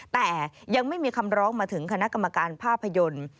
แต่ยังไม่มีคำร้องมาถึงคณะกรรมการภาพยนตร์